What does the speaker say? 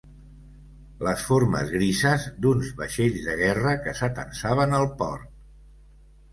Les formes grises d'uns vaixells de guerra que s'atansaven al port